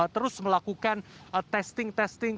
terus melakukan testing